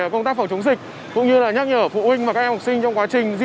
công tác phòng chống dịch cũng như là nhắc nhở phụ huynh và các em học sinh trong quá trình di chuyển